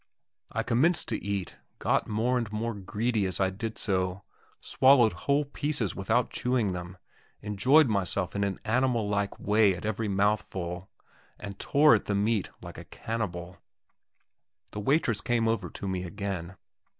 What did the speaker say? I commenced to eat, got more and more greedy I as I did so, swallowed whole pieces without chewing them, enjoyed myself in an animal like way at every mouthful, and tore at the meat like a cannibal. The waitress came over to me again.